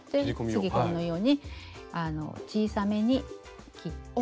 次このように小さめに切ります。